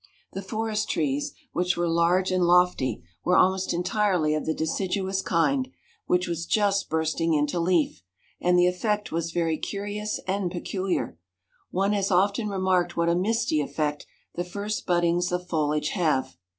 The forest trees, which were large and lofty, were almost entirely of the deciduous kind, which was just bursting into leaf; and the effect was very curious and peculiar. One has often remarked what a misty effect the first buddings of foliage have.